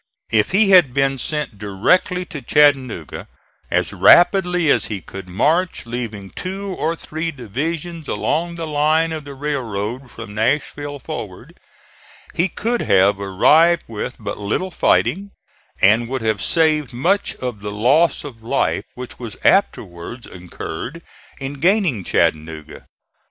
If he had been sent directly to Chattanooga as rapidly as he could march, leaving two or three divisions along the line of the railroad from Nashville forward, he could have arrived with but little fighting, and would have saved much of the loss of life which was afterwards incurred in gaining Chattanooga.